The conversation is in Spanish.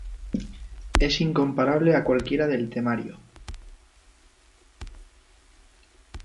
es incomparable a cualquiera del temario.